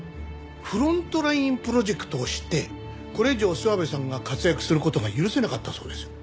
フロントラインプロジェクトを知ってこれ以上諏訪部さんが活躍する事が許せなかったそうです。